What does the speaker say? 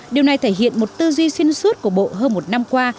điều này thể hiện một tư duy xuyên suốt của bộ hơn một năm qua